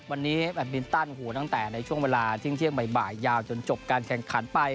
วันนี้แบตมินตันตั้งแต่ในช่วงเวลาเที่ยงบ่ายยาวจนจบการแข่งขันไป